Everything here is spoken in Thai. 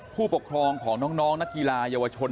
ผู้ปกครองของน้องนักกีฬาเยาวชน